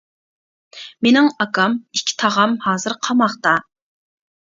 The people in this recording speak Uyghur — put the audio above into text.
مېنىڭ ئاكام، ئىككى تاغام ھازىر قاماقتا.